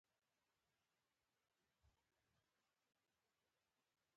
د اوبو کیچوا خراب شوی و.